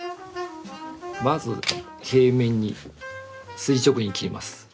まず平面に垂直に切ります。